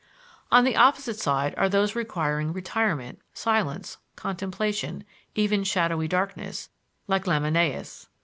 On the opposite side are those requiring retirement, silence, contemplation, even shadowy darkness, like Lamennais.